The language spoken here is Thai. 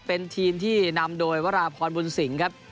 เป็นทีมที่นำโดยวราพรบุญสิงห์ครับ